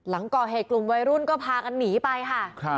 หลังก่อเหตุกลุ่มวัยรุ่นก็พากันหนีไปค่ะ